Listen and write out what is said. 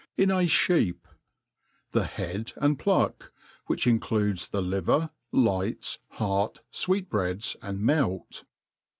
In a Sbitp* THE head and pluck; which includes the liver, lights^ heart, fweetbreadsy and melt.